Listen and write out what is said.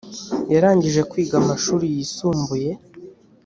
yarangije kwiga amashuri yisumbuye